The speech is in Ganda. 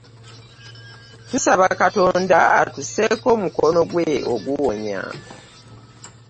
Tusabe Katonda atusseeko omukono gwe oguwonya.